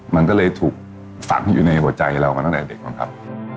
มันก็เลยถูกฝังอยู่ในหัวใจเรามาตั้งแต่เด็กมั้งครับ